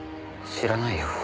知らないよ。